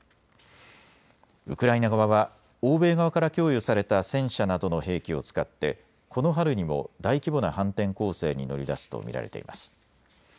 ウクライナ側は欧米側から供与された戦車などの兵器を使ってこの春にも大規模な反転攻勢に乗り出すと見られています。